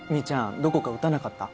どこか打たなかった？